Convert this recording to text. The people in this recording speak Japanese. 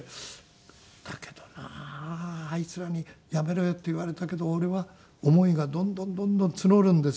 だけどなあいつらに「やめろよ」って言われたけど俺は思いがどんどんどんどん募るんですよ。